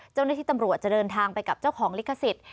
เจ้าหน้าที่ตำรวจจะเดินทางไปกับเจ้าของลิขสิทธิ์